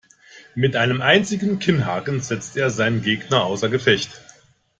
Mit einem einzigen Kinnhaken setzte er seinen Gegner außer Gefecht.